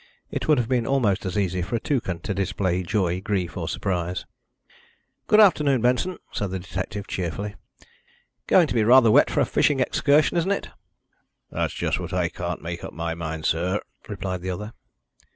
It would have been almost as easy for a toucan to display joy, grief, or surprise. "Good afternoon, Benson," said the detective cheerfully. "Going to be rather wet for a fishing excursion, isn't it?" "That's just what I can't make up my mind, sir," replied the other.